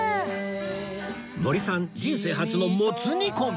森さん人生初のもつ煮込み